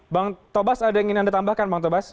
bang tobas ada yang ingin anda tambahkan